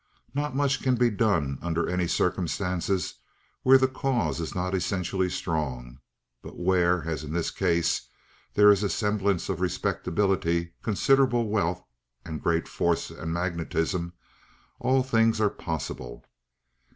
Not much can be done under any circumstances where the cause is not essentially strong; but where, as in this case, there is a semblance of respectability, considerable wealth, and great force and magnetism, all things are possible.